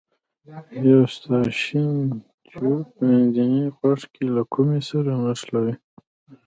یو ستاشین تیوب منځنی غوږ له کومې سره نښلوي.